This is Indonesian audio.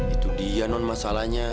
itu dia non masalahnya